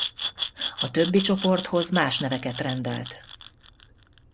A többi csoporthoz más neveket rendelt.